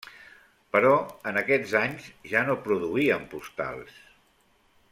Però en aquests anys ja no produïen postals.